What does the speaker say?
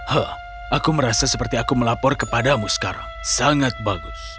hah aku merasa seperti aku melapor kepadamu sekarang sangat bagus